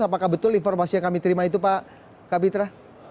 apakah betul informasi yang kami terima itu pak kapitra